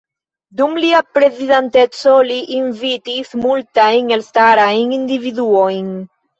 Dum lia prezidanteco li invitis multajn elstarajn individuojn.